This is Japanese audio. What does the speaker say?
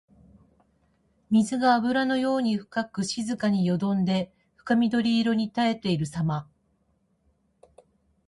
水があぶらのように深く静かによどんで深緑色にたたえているさま。